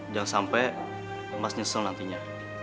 jangan sampai emas nyesel nantinya